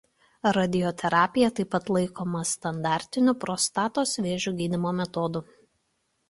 Radioterapija taip pat laikoma standartiniu prostatos vėžio gydymo metodu.